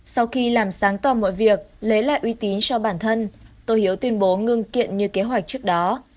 sau khi làm sáng tỏ mọi việc lấy lại uy tín cho bản thân tôi hiếu tuyên bố ngưng kiện như kế hoạch trước đó